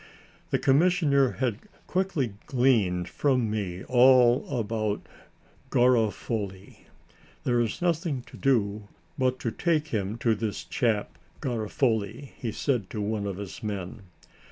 The commissioner had quickly gleaned from me all about Garofoli. "There is nothing to do but to take him to this chap, Garofoli," he said to one of his men.